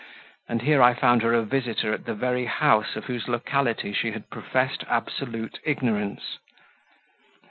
and here I found her a visitor at the very house of whose locality she had professed absolute ignorance!